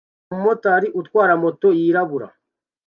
Umumotari utwara moto yirabura